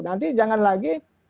nah kemarin lagi